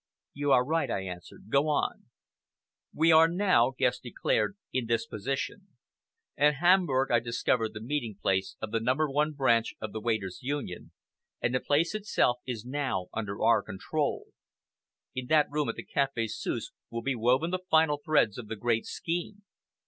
"You are right," I answered. "Go on." "We are now," Guest declared, "in this position. In Hamburg I discovered the meeting place of the No. 1 Branch of the Waiters' Union, and the place itself is now under our control. In that room at the Café Suisse will be woven the final threads of the great scheme.